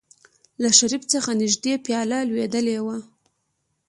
له شريف څخه نژدې پياله لوېدلې وه.